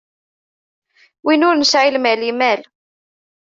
Win ur nesɛi lmal, imal.